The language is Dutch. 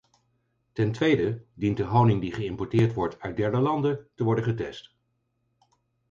Ten tweede dient de honing die geïmporteerd wordt uit derde landen te worden getest.